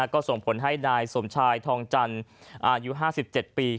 ก็ส่งผลให้นายสมชายทองจันทร์อายุ๕๗ปี